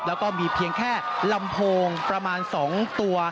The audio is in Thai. แล้วก็มีเพียงแค่ลำโพงประมาณ๒ตัว